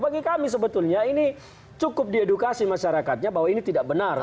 bagi kami sebetulnya ini cukup diedukasi masyarakatnya bahwa ini tidak benar